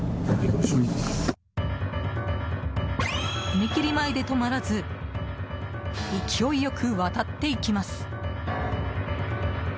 踏切前で止まらず勢いよく渡っていきます。